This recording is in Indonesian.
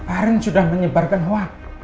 arief sudah menyebarkan hoax